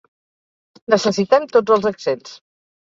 Necessitem tots els accents.